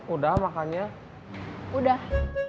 udah makanya udah